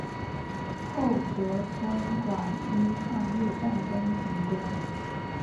后哲生馆因抗日战争停工。